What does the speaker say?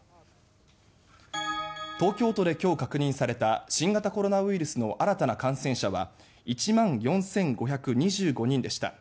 東京都で今日確認された新型コロナウイルスの新たな感染者は１万４５２５人でした。